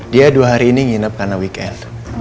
dia dua hari ini nginep karena weekend